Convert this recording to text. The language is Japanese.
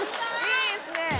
いいですね。